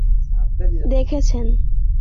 আপনার ইনবক্সে ডিটেইলস পাঠিয়েছি, দেখেছেন?